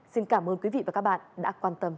xin cảm ơn quý vị và các bạn đã quan tâm